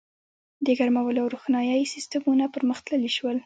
• د ګرمولو او روښنایۍ سیستمونه پرمختللي شول.